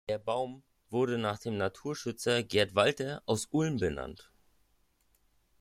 Der Baum wurde nach dem Naturschützer Gerd Walter aus Ulm benannt.